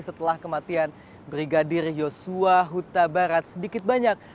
setelah kematian brigadir yosua huta barat sedikit banyak